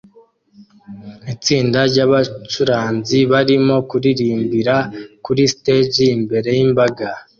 Itsinda ryabacuranzi barimo kuririmbira kuri stage imbere yimbaga